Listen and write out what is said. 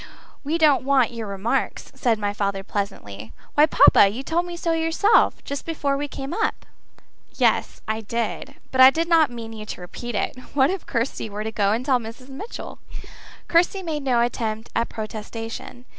We don't want your remarks," said my father pleasantly. "Why, papa, you told me so yourself, just before we came up." "Yes, I did; but I did not mean you to repeat it. What if Kirsty were to go and tell Mrs. Mitchell?" Kirsty made no attempt at protestation.